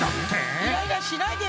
イライラしないで！